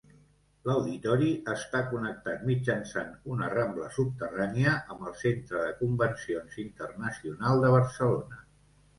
L'auditori està connectat mitjançant una rambla subterrània amb el Centre de Convencions Internacional de Barcelona.